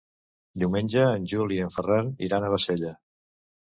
Diumenge en Juli i en Ferran iran a Bassella.